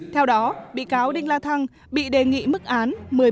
theo đó bị cáo đinh la thăng bị đề nghị mức án một mươi bốn